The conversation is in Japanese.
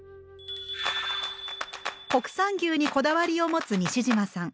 国産牛にこだわりを持つ西島さん。